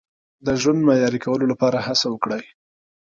د ژوند معیاري کولو لپاره هڅه وکړئ.